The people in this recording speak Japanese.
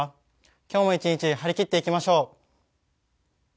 今日も一日張り切っていきましょう。